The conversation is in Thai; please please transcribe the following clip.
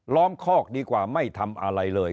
้อมคอกดีกว่าไม่ทำอะไรเลย